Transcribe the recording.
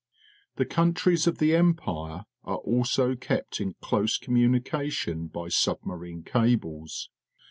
The countries of the Empire are also kept in close conomunication by submarine cables.